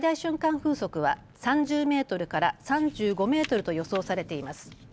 風速は３０メートルから３５メートルと予想されています。